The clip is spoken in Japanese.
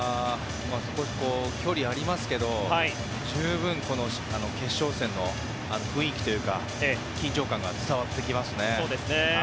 距離ありますけど十分、決勝戦の雰囲気というか緊張感が伝わってきますね。